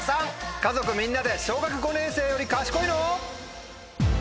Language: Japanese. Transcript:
家族みんなで『小学５年生より賢いの？』。